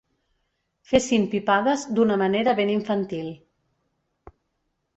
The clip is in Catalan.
Fessin pipades d'una manera ben infantil.